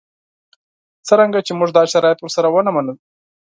څرنګه چې موږ دا شرایط ورسره ونه منل.